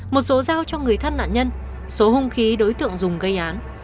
một số giao cho người thân nạn nhân số hung khí đối tượng dùng gây án